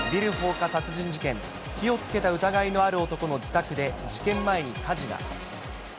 火をつけた疑いのある男の自宅で、事件前に火事が。